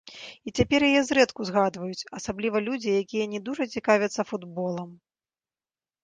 І цяпер яе зрэдку згадваюць, асабліва людзі, якія не дужа цікавяцца футболам.